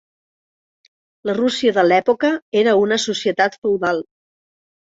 La Rússia de l'època era una societat feudal.